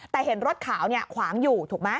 แต่เห็นรถขาวเนี่ยขวางอยู่ถูกมั้ย